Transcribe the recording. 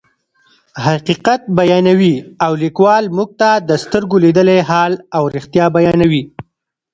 حقیقت بیانوي او لیکوال موږ ته د سترګو لیدلی حال او رښتیا بیانوي.